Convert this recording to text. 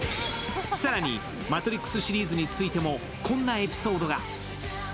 更に、「マトリックスリーズ」についてもこんなエピソードが。